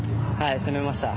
攻めました。